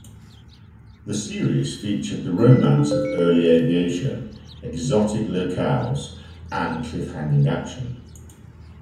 The series featured the romance of early aviation, exotic locales, and cliff-hanging action.